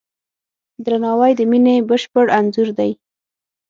درناوی د مینې بشپړ انځور دی.